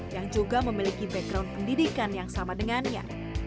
yang juga memiliki background pendidikan yang sama dengannya